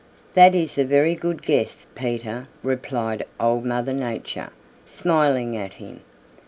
"That is a very good guess, Peter," replied Old Mother Nature, smiling at him.